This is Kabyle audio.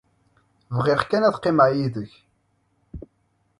Bɣiɣ kan ad qqimeɣ yid-k.